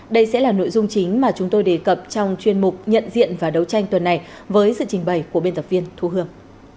đây sẽ là nội dung chính mà chúng tôi đề cập trong chuyên mục nhận diện và đấu tranh tuần này với sự trình bày của biên tập viên thu hương